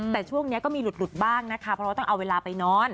แต่ช่วงนี้ก็มีหลุดบ้างนะคะเพราะว่าต้องเอาเวลาไปนอน